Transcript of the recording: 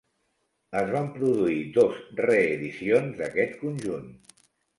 Es van produir dos reedicions d'aquest conjunt.